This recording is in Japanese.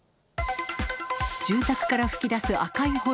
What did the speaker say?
住宅から噴き出す赤い炎。